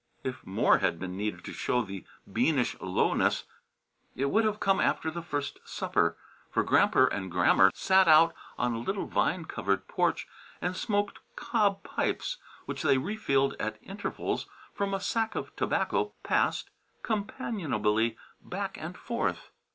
If more had been needed to show the Beanish lowness, it would have come after the first supper, for Gramper and Grammer sat out on a little vine covered porch and smoked cob pipes which they refilled at intervals from a sack of tobacco passed companionably back and forth.